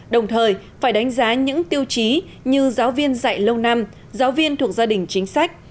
đồng thời phải đánh giá những tiêu chí như giáo viên dạy lâu năm giáo viên thuộc gia đình chính sách